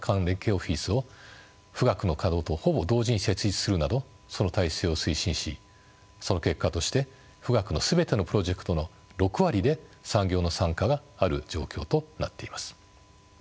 オフィスを富岳の稼働とほぼ同時に設立するなどその体制を推進しその結果として富岳の全てのプロジェクトの６割で産業の参加がある状況となっています。